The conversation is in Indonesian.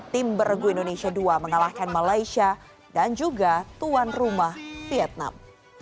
tim bergu indonesia dua mengalahkan malaysia dan juga tuan rumah vietnam